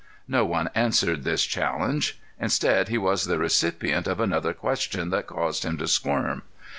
No one answered this challenge; instead, he was the recipient of another question that caused him to squirm.